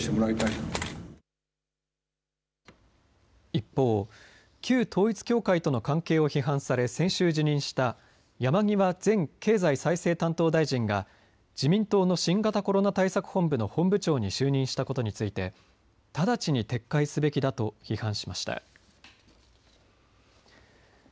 一方、旧統一教会との関係を批判され先週辞任した山際前経済再生担当大臣は自民党の新型コロナ対策本部の本部長に就任したことについて直ちに撤回すべきだと批判しました。